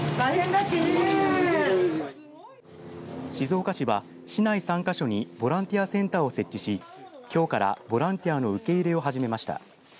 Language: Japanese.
静岡市は、市内３か所にボランティアセンターを設置しきょうからボランティアの受け入れを始めました。